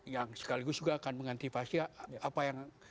yang sekaligus juga akan mengantisipasi apa yang